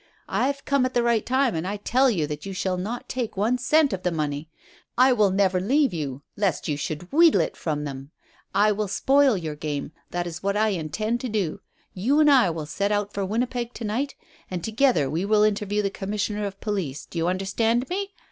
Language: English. "I've come at the right time, and I tell you that you shall not take one cent of the money. I will never leave you lest you should wheedle it from them. I will spoil your game. This is what I intend to do. You and I will set out for Winnipeg to night, and together we will interview the Commissioner of Police. Do you understand me?